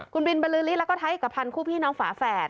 คุณบิลบลื้อลิศแล้วก็ท้ายกับทันคู่พี่น้องฝาแฝด